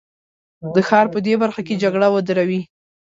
د ښار په دې برخه کې جګړه ودروي.